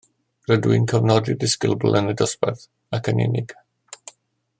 Rydw i'n cofnodi'r disgybl yn y dosbarth ac yn unig